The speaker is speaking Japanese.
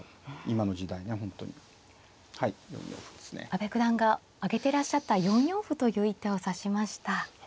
阿部九段が挙げていらっしゃった４四歩という一手を指しました。